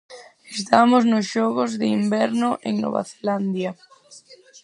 Estamos no Xogos de Inverno, en Nova Celandia.